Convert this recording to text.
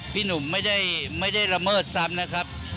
พี่หนุ่มไม่ได้ระเมิดซ้ำนะครับ